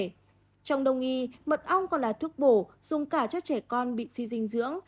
trong đồng nghi mật ong còn là thuốc bổ dùng cả cho trẻ con bị suy dinh dưỡng